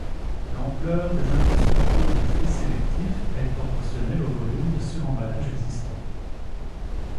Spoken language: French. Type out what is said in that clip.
L'ampleur des infrastructures de tri sélectif est proportionnelle au volume de suremballage existant.